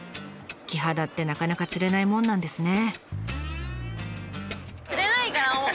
キハダってなかなか釣れないもんなんですね。